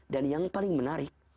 dan yang paling menarik